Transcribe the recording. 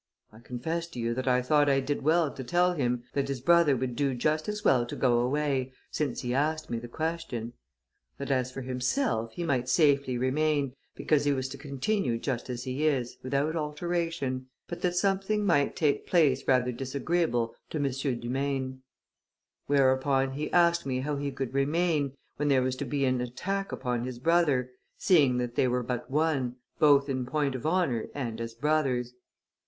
I confess to you that I thought I did well to tell him that his brother would do just as well to go away, since he asked me the question; that, as for himself, he might safely remain, because he was to continue just as he is, without alteration; but that something might take place rather disagreeable to M. du Maine. Whereupon, he asked me how he could remain, when there was to be an attack upon his brother, seeing that they were but one, both in point of honor and as brothers.